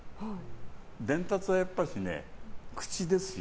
伝達はやっぱしね、口ですよ